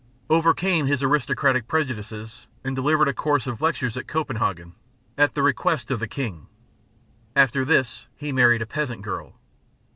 Overcame his aristocratic prejudices, and delivered a course of lectures at Copenhagen, at the request of the king. After this he married a peasant girl.